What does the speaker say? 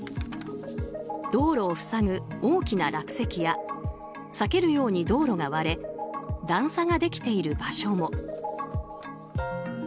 道路を塞ぐ大きな落石や裂けるように道路が割れ段差ができている場所も。